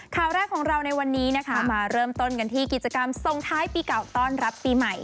ข่าวแรกของเราในวันนี้นะคะมาเริ่มต้นกันที่กิจกรรมส่งท้ายปีเก่าต้อนรับปีใหม่